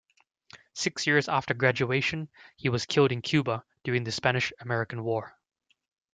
Six years after graduation, he was killed in Cuba during the Spanish-American War.